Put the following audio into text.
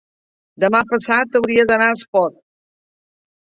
demà passat hauria d'anar a Espot.